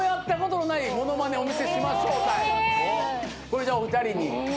これじゃあお二人に。